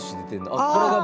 あこれが。